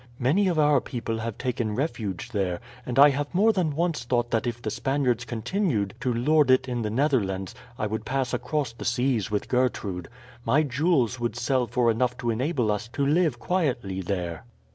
Many of our people have taken refuge there, and I have more than once thought that if the Spaniards continued to lord it in the Netherlands I would pass across the seas with Gertrude. My jewels would sell for enough to enable us to live quietly there."